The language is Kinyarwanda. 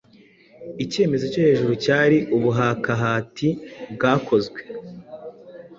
Icyemezo cyo hejuru cyari ubuhakahati bwakozwe